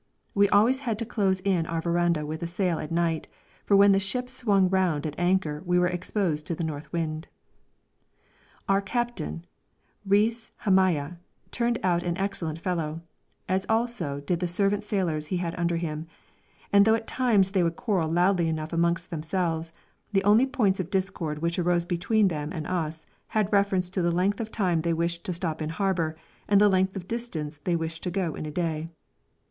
We always had to close in our verandah with a sail at night, for when the ship swung round at anchor we were exposed to the north wind. Our captain, Reis Hamaya, turned out an excellent fellow, as also did the seventeen sailors he had under him; and though at times they would quarrel loudly enough amongst themselves, the only points of discord which arose between them and us always had reference to the length of time they wished to stop in harbour and the length of distance they wished to go in a day.